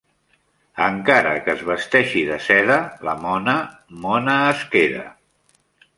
Encara que es vesteixi de seda, la mona, mona es queda.